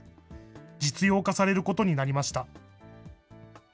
実用化されることになりました。